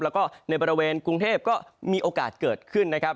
แล้วก็ในบริเวณกรุงเทพก็มีโอกาสเกิดขึ้นนะครับ